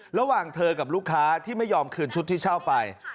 ระหว่างเธอกับลูกค้าที่ไม่ยอมคืนชุดที่เช่าไป